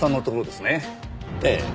ええ。